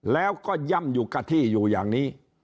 แล้วก็ย่ำอยู่กับที่อยู่อย่างนี้